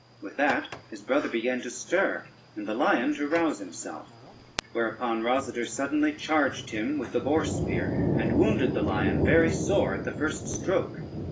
] With that his brother began to stir, and the lion to rouse himself, whereupon Rosader suddenly charged him with the boar spear, and wounded the lion very sore at the first stroke.